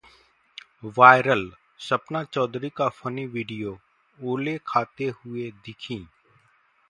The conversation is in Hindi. Viral: सपना चौधरी का फनी वीडियो, ओले खाते हुए दिखीं